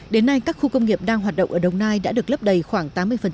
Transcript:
đến nay các khu công nghiệp đang hoạt động ở đồng nai đã được lấp đầy khoảng tám mươi